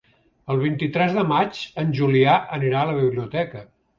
El vint-i-tres de maig en Julià anirà a la biblioteca.